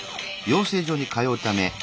養成所に通うために。